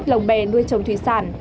năm mươi một lồng bè nuôi trồng thủy sản